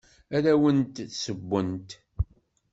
Ad awent-d-ssewwent.